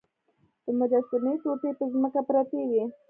د مجسمې ټوټې په ځمکه پرتې وې.